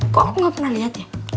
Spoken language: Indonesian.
kok aku nggak pernah lihat ya